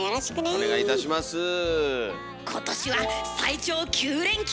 今年は最長９連休！